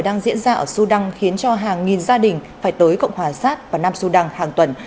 đang diễn ra ở sudan khiến cho hàng nghìn gia đình phải tới cộng hòa sát vào nam sudan hàng tuần